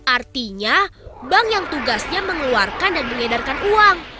artinya bank yang tugasnya mengeluarkan dan mengedarkan uang